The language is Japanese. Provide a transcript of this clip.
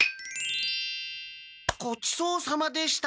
ごちそうさまでした！